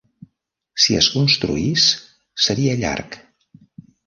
Si es construís, seria llarg.